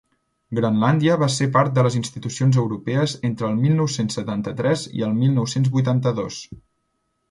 Grenlàndia va ser part de les institucions europees entre el mil nou-cents setanta-tres i el mil nou-cents vuitanta-dos.